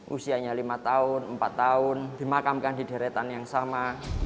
usianya lima tahun empat tahun dimakamkan di deretan yang sama